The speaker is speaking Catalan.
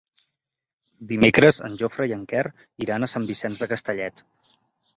Dimecres en Jofre i en Quer iran a Sant Vicenç de Castellet.